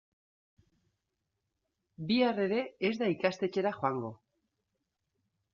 Bihar ere ez da ikastetxera joango.